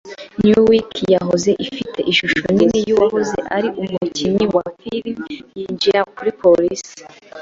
Newsweek yari ifite ishusho nini yuwahoze ari umukinnyi wa firime yinjira kuri polisi.